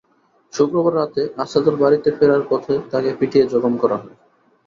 শুক্রবার রাতে আছাদুল বাড়িতে ফেরার পথে তাঁকে পিটিয়ে জখম করা হয়।